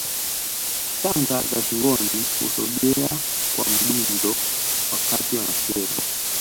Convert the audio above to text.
Shanga za shingoni husogea kwa mdundo wakati wanacheza